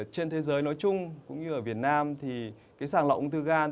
trên thế giới nói chung cũng như ở việt nam thì cái sàng lọc ung thư gan